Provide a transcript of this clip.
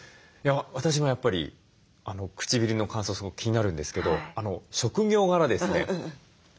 私もやっぱり唇の乾燥すごく気になるんですけど職業柄ですね